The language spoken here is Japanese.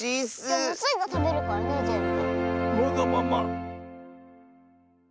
スイがたべるからねぜんぶ。